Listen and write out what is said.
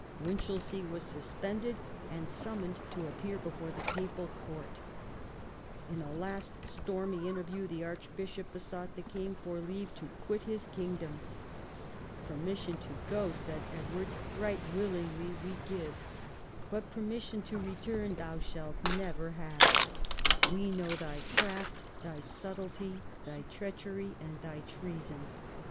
Winchelsea was suspended and summoned to appear before the papal court. In a last stormy interview the archbishop besought the king for leave to quit his kingdom. "Permission to go," said Edward, " right willingly we give, but permission to return thou shalt never have. We know thy craft, thy subtlety, thy treachery, and thy treason.